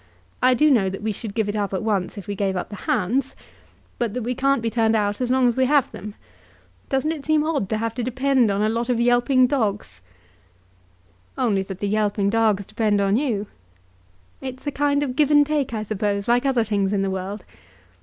I do know that we should give it up at once if we gave up the hounds, and that we can't be turned out as long as we have them. Doesn't it seem odd to have to depend on a lot of yelping dogs?" [Illustration: Lady Chiltern and her baby.] "Only that the yelping dogs depend on you." "It's a kind of give and take, I suppose, like other things in the world.